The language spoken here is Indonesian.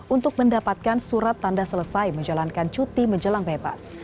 untuk mendapatkan surat tanda selesai menjalankan cuti menjelang bebas